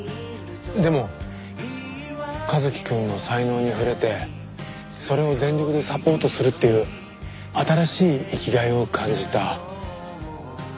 でも一輝くんの才能に触れてそれを全力でサポートするっていう新しい生きがいを感じた。